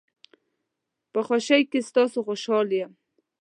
په خوشۍ کې ستاسو خوشحال یم.